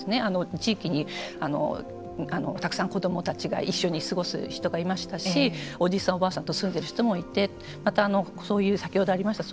地域にたくさん、子どもたちが一緒に過ごす人がいましたしおじいさん、おばあさんと住んでいる人もいてまたそういう先ほどありました